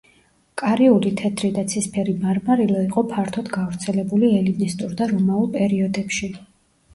კარიული თეთრი და ცისფერი მარმარილო იყო ფართოდ გავრცელებული ელინისტურ და რომაულ პერიოდებში.